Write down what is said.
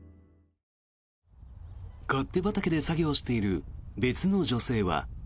勝手畑で作業している別の女性は。